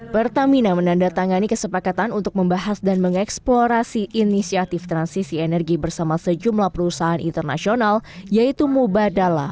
pertamina menandatangani kesepakatan untuk membahas dan mengeksplorasi inisiatif transisi energi bersama sejumlah perusahaan internasional yaitu mubadala